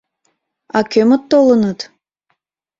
А кӧмыт толыныт?